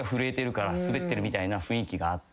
みたいな雰囲気があって。